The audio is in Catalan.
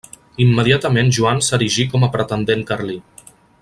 Immediatament Joan s'erigí com a pretendent carlí.